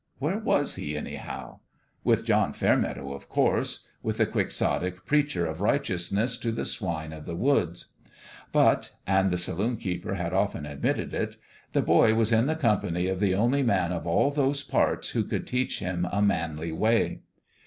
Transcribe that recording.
Where was he, anyhow? With John Fairmeadow, of course with the quixotic preacher of righteousness to the swine of the woods. But and the saloon keeper had often admitted it the boy was in the company of the only man of all those parts who could teach him a manly way.